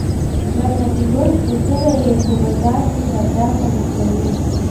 لکه د ګنج پسونه یې په بازار کې سودا ته غورځوي.